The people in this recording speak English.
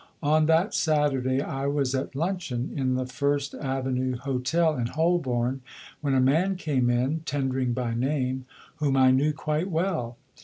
On that Saturday I was at luncheon in the First Avenue Hotel in Holborn, when a man came in Tendring by name whom I knew quite well.